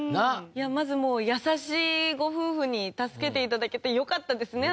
まずもう優しいご夫婦に助けて頂けてよかったですね